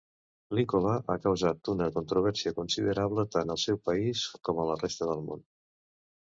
Linkola ha causat una controvèrsia considerable tant al seu país com a la resta del món.